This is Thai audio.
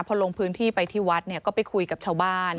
พอลงพื้นที่ไปที่วัดก็ไปคุยกับชาวบ้าน